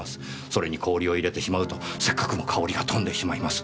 それに氷を入れてしまうとせっかくの香りが飛んでしまいます。